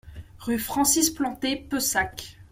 Rue Francis Planté, Pessac